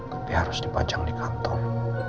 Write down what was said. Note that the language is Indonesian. tapi harus dipajang di kantong